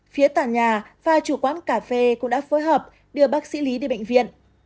phía tòa nhà và chủ quán cà phê cũng đã phối hợp đưa bác sĩ lý đi bệnh viện